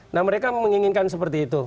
nah mereka menginginkan seperti itu